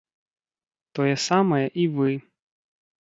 Тое самае і вы.